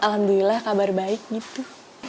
alhamdulillah kabar baik gitu